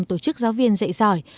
tổ chức giáo viên dạy giỏi